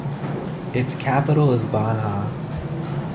Its capital is Banha.